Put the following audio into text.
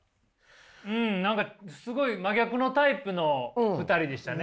うん何かすごい真逆のタイプの２人でしたね。